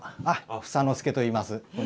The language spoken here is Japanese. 房の輔といいます。